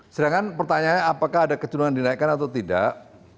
sedangkan pertanyaannya apakah ada kecenderungan dinaikkan atau tidak